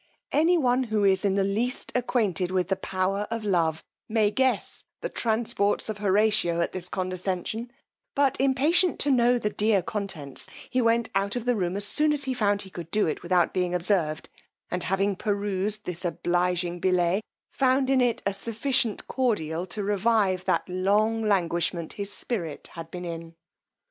Any one who is in the least acquainted with the power of love, may guess the transports of Horatio at this condescension; but, impatient to know the dear contents, he went out of the room as soon as he found he could do it without being observed, and having perused this obliging billet, found in it a sufficient cordial to revive that long languishment his spirit had been in.